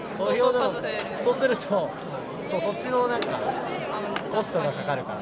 そうすると、そっちのなんか、コストがかかるから。